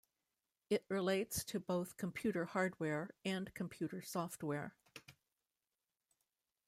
It relates to both computer hardware and computer software.